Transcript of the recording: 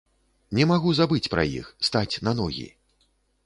Не магу забыць пра іх, стаць на ногі.